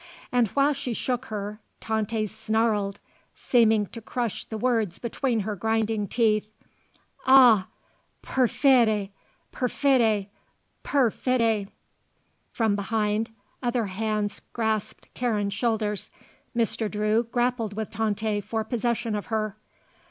And while she shook her, Tante snarled seeming to crush the words between her grinding teeth, "Ah! perfide! perfide! perfide!" From behind, other hands grasped Karen's shoulders. Mr. Drew grappled with Tante for possession of her.